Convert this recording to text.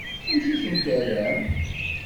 Amek i tent-terram?